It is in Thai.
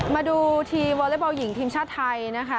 มาดูทีมวอเล็กบอลหญิงทีมชาติไทยนะคะ